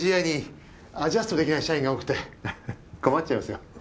ＫＧＩにアジャストできない社員が多くてヘヘヘ困っちゃいますよ。